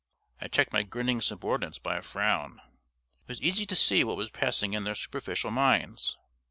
I checked my grinning subordinates by a frown. It was easy to see what was passing in their superficial minds.